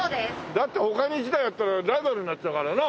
だって他に一台あったらライバルになっちゃうからな。